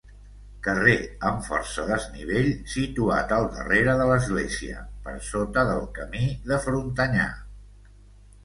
Carrer amb força desnivell, situat al darrere de l'església, per sota del camí de Frontanyà.